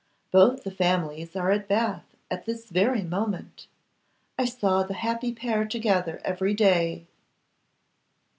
Both the families are at Bath at this very moment. I saw the happy pair together every day.